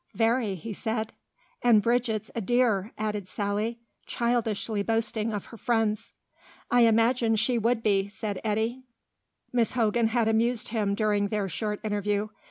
"Very," he said. "And Bridget's a dear," added Sally, childishly boasting of her friends. "I can imagine she would be," said Eddy. Miss Hogan had amused him during their short interview.